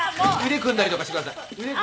腕組んだりしてください。